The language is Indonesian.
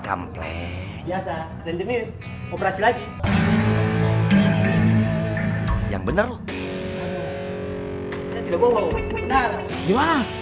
template biasa dan dengannya operasi live yang bener lu